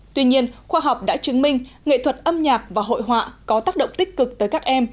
tuy nhiên khoa học đã chứng minh nghệ thuật âm nhạc và hội họa có tác động tích cực tới các em